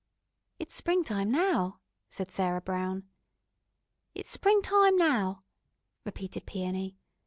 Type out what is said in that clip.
"It's springtime now," said Sarah Brown. "It's springtime now," repeated Peony.